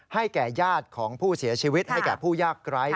แก่ญาติของผู้เสียชีวิตให้แก่ผู้ยากไร้